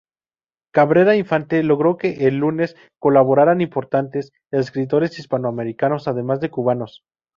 Cabrera Infante logró que en "Lunes" colaboraran importantes escritores hispanoamericanos, además de cubanos.